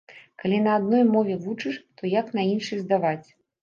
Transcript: Калі на адной мове вучыш, то як на іншай здаваць?